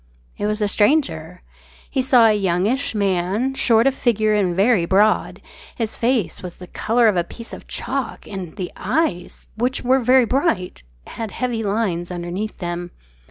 It was a stranger. He saw a youngish man short of figure and very broad. His face was the colour of a piece of chalk and the eyes, which were very bright, had heavy lines underneath them.